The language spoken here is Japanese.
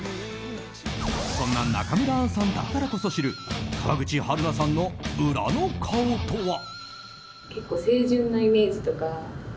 そんな中村アンさんだからこそ知る川口春奈さんの裏の顔とは？